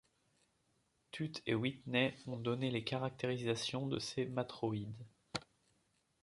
Tutte et Whitney ont donné des caractérisations de ces matroïdes.